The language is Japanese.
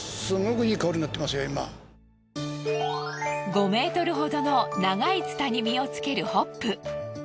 ５メートルほどの長いツタに実をつけるホップ。